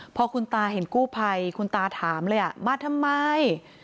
พอคุณตาเห็นกู้ภัยคุณตาถามเลยมาทำไม